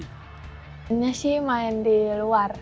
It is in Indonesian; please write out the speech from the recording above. pengennya sih main di luar